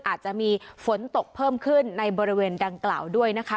อาจจะมีฝนตกเพิ่มขึ้นในบริเวณดังกล่าวด้วยนะคะ